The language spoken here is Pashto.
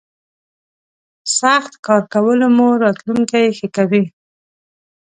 سخت کار کولو مو راتلوونکی ښه کوي.